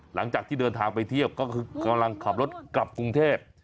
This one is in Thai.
หลังจากที่เดินทางไปเที่ยวก็คือกำลังขับรถกลับกรุงเทพ